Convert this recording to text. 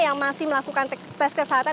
yang masih melakukan tes kesehatan